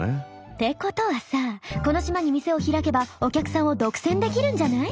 ってことさはこの島に店を開けばお客さんを独占できるんじゃない？